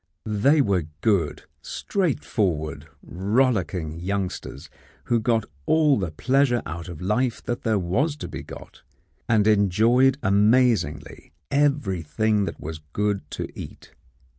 They were good, straightforward, rollicking youngsters who got all the pleasure out of life that there was to be got, and enjoyed amazingly everything that was good to eat.